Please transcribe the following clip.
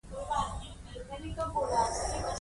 بيا به د واده ورځې لپاره پيښورۍ شراره جامې واخلو.